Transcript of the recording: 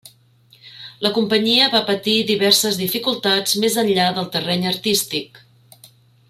La companyia va patir diverses dificultats més enllà del terreny artístic.